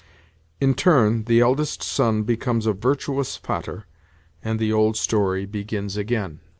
In turn the eldest son becomes a virtuous 'Vater,' and the old story begins again.